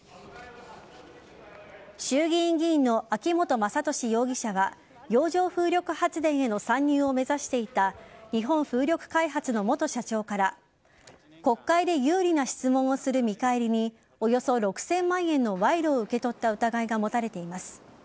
衆議院議員の秋本真利容疑者は洋上風力発電への参入を目指していた日本風力開発の元社長から国会で有利な質問をする見返りにおよそ６０００万円の賄賂を受け取った疑いが持たれています。